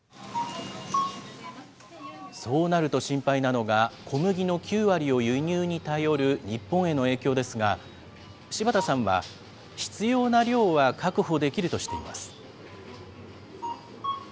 そうなると心配なのが、小麦の９割を輸入に頼る日本への影響ですが、柴田さんは、必要な量は確保できるとしています。